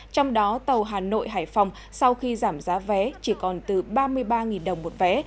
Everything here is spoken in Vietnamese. trong đó tàu hà nội hải phòng sau khi giảm giá vé chỉ còn từ ba mươi ba đồng một vé